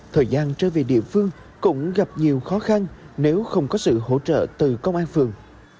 thời gian trở về địa phương cũng gặp nhiều khó khăn nếu không có sự hỗ trợ từ công an phường